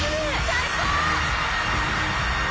最高！